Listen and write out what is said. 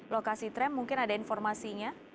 lokasi tram mungkin ada informasinya